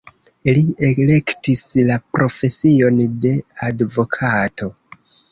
Li elektis la profesion de advokato.